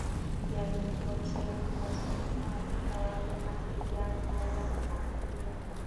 د امیر کروړ شعر دمضمون او محتوا له مخه ویاړنه یا حماسه ده.